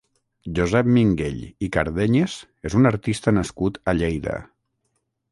Josep Minguell i Cardenyes és un artista nascut a Lleida.